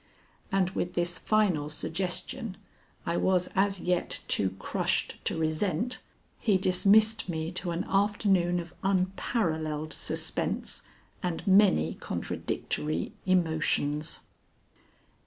And with this final suggestion, I was as yet too crushed to resent, he dismissed me to an afternoon of unparalleled suspense and many contradictory emotions.